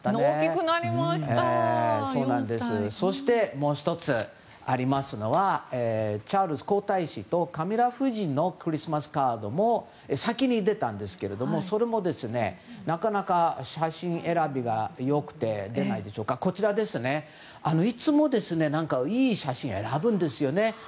もう１つ、ありますのはチャールズ皇太子とカミラ夫人のクリスマスカードも先に出たんですけれどもそれもなかなか写真選びが良くていつもいい写真を選ぶんですよ。